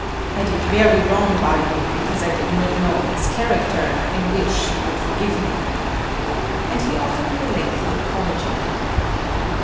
I did very wrong by you because I did not know his character, and wish you would forgive me." And he offered me a lengthy apology.